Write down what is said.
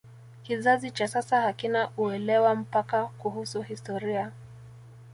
kizazi cha sasa hakina uelewa mpana kuhusu historia